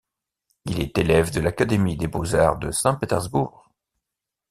Il est élève de l'Académie des Beaux-Arts de Saint-Pétersbourg.